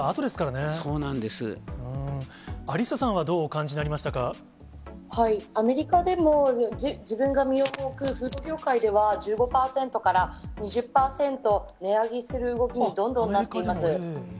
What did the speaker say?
アリッサさんはどうお感じにアメリカでも、自分が身を置くフード業界では、１５％から２０％値上げする動きにどんどんなっています。